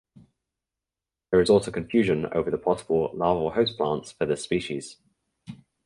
There is also confusion over the possible larval host plants for this species.